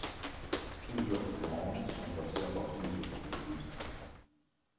Plusieurs commandes sont passées à partir de ce prototype.